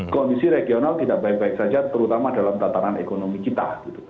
kondisi regional tidak baik baik saja terutama dalam tataran ekonomi kita